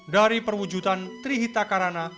dari perwujudan trihita karana